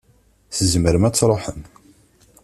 Tzemrem ad tṛuḥem.